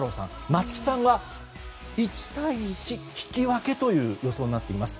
松木さんは１対１、引き分けという予想になっています。